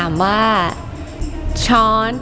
อียมขอบคุณครับ